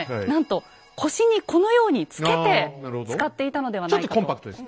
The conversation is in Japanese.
なんと腰にこのようにつけて使っていたのではないかと。